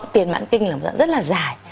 tiền mãn kinh là một dạng rất là dài